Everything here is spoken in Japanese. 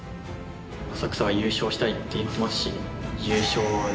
浅草は優勝したいって言ってますし。